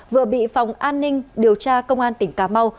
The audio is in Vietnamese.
vừa bị phòng an ninh điều tra công an tỉnh cà mau